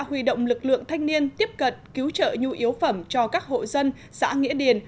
huy động lực lượng thanh niên tiếp cận cứu trợ nhu yếu phẩm cho các hộ dân xã nghĩa điền